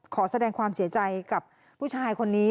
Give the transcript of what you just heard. ขอแสดงความเสียใจกับผู้ชายคนนี้